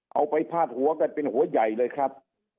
เอาไปพาดหัวก็เป็นหัวใหญ่เลยครับ